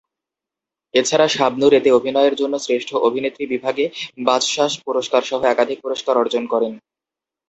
এছাড়া শাবনূর এতে অভিনয়ের জন্য শ্রেষ্ঠ অভিনেত্রী বিভাগে বাচসাস পুরস্কারসহ একাধিক পুরস্কার অর্জন করেন।